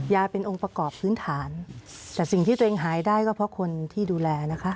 เป็นองค์ประกอบพื้นฐานแต่สิ่งที่ตัวเองหายได้ก็เพราะคนที่ดูแลนะคะ